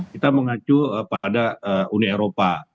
kita mengacu pada uni eropa